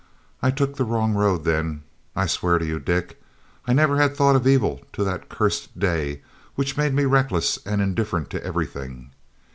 I took the wrong road then. I swear to you, Dick, I never had thought of evil till that cursed day which made me reckless and indifferent to everything.